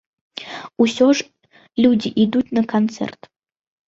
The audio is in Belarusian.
Усё ж людзі ідуць на канцэрт.